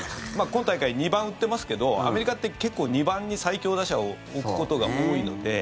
今大会、２番打ってますけどアメリカって結構２番に最強打者を置くことが多いので。